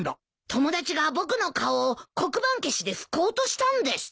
友達が僕の顔を黒板消しで拭こうとしたんです。